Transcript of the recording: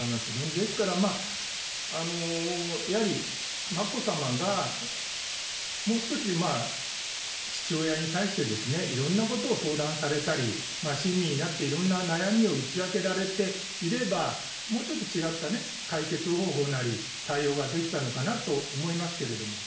ですからやはり眞子さまが、もう少し父親に対していろんなことを相談されたり、親身になっていろんな悩みを打ち明けられていれば、もうちょっと違ったね、解決方法なり、対応ができたのかなと思いますけれども。